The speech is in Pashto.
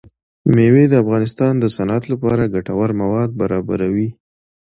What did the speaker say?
مېوې د افغانستان د صنعت لپاره ګټور مواد برابروي.